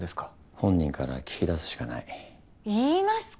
本人から聞き出すしかない。言いますか？